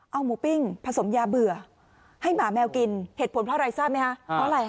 เอาหมูปิ้งผสมยาเบื่อให้หมาแมวกินเหตุผลเพราะอะไรทราบมั้ยคะ